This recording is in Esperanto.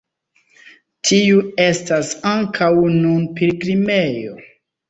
Tiu estas ankaŭ nun pilgrimejo.